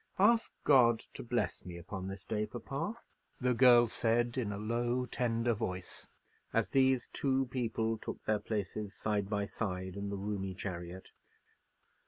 "Ask God to bless me upon this day, papa," the girl said, in a low, tender voice, as these two people took their places side by side in the roomy chariot.